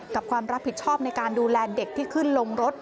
ความรับผิดชอบในการดูแลเด็กที่ขึ้นลงรถ